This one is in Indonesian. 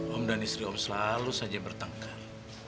om dan istri om selalu saja bertengkar